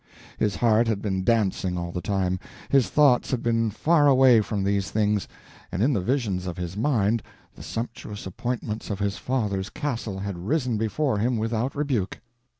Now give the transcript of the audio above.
His heart had been dancing all the time, his thoughts had been faraway from these things, and in the visions of his mind the sumptuous appointments of his father's castle had risen before him without rebuke.